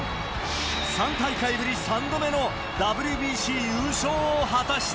３大会ぶり３度目の、ＷＢＣ優勝を果たした。